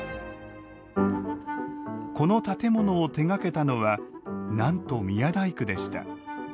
この建物を手がけたのはなんと宮大工でした。